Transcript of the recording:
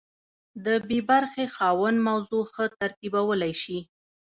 د بي برخې خاوند موضوع ښه ترتیبولی شي.